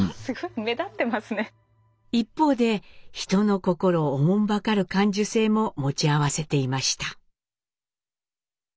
一方で人の心を慮る感受性も持ち合わせていました。